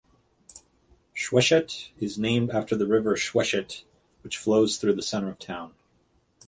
Schwechat is named after the river Schwechat, which flows through the centre of town.